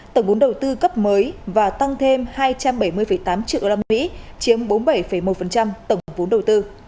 tổng vốn đầu tư cấp mới và tăng thêm hai trăm bảy mươi tám triệu usd chiếm bốn mươi bảy một tổng vốn đầu tư